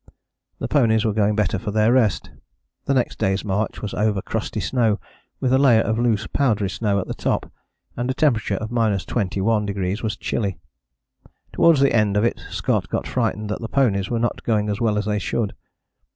The ponies were going better for their rest. The next day's march was over crusty snow with a layer of loose powdery snow at the top, and a temperature of 21° was chilly. Towards the end of it Scott got frightened that the ponies were not going as well as they should.